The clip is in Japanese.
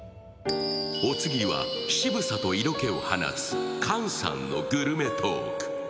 お次は、渋さと色気を放つ、菅さんのグルメトーク。